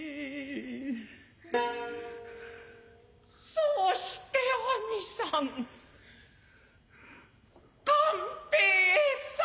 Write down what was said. そうして兄さん勘平さんわえ。